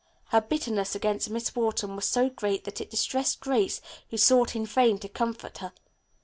Her bitterness against Miss Wharton was so great that it distressed Grace, who sought in vain to comfort her.